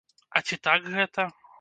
А ці так гэта?